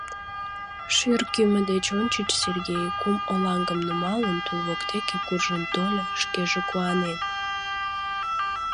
Шӱр кӱмӧ деч ончыч Сергей, кум олаҥгым нумалын, тул воктеке куржын тольо, шкеже куанен.